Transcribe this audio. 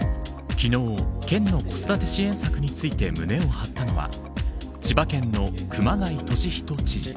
昨日、県の子育て支援策について胸を張ったのは千葉県の熊谷俊人知事。